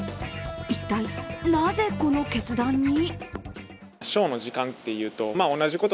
一体なぜ、この決断に？